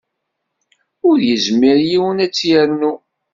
Ur yezmir yiwen ad tt-ternu.